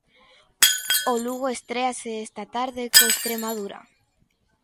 O Lugo estréase esta tarde co Estremadura.